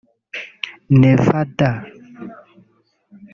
Nevada